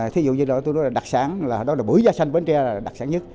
thí dụ như đặc sản là bưởi da xanh bến tre là đặc sản nhất